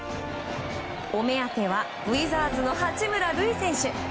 お目当てはウィザーズの八村塁選手。